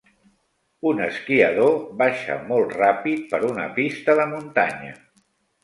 Un esquiador baixa molt ràpid per una pista de muntanya.